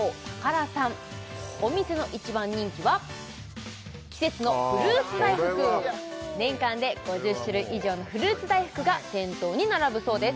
お店の一番人気は季節のフルーツ大福年間で５０種類以上のフルーツ大福が店頭に並ぶそうです